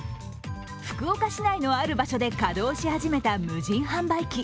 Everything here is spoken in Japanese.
福岡市内のある場所で稼働し始めた無人販売機。